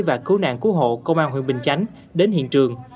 và cứu nạn cứu hộ công an huyện bình chánh đến hiện trường